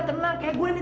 tenang seperti aku